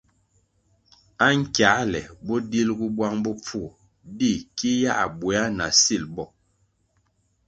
Ankiāle bo dilgu bwang bopfuo di ki yā bwéa na sil bo.